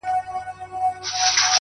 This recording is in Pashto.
ستا خو صرف خندا غواړم چي تا غواړم!!